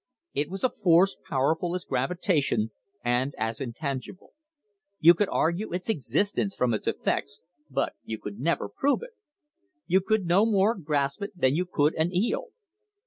It was a force powerful as gravitation and as in tangible. You could argue its existence from its effects, but you could never prove it. You could no more grasp it than you could an eel.